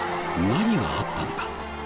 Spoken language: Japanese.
何があったのか？